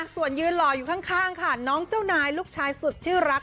ส่วนยืนหล่ออยู่ข้างค่ะน้องเจ้านายลูกชายสุดที่รัก